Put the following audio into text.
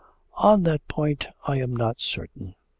'On that point I am not certain.